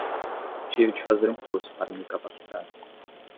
Tive de fazer um curso para me capacitar